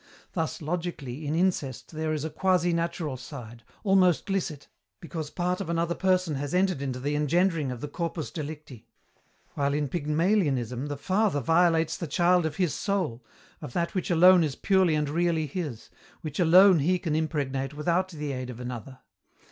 Thus, logically, in incest there is a quasi natural side, almost licit, because part of another person has entered into the engendering of the corpus delicti; while in Pygmalionism the father violates the child of his soul, of that which alone is purely and really his, which alone he can impregnate without the aid of another.